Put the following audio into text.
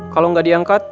kalau gak diangkat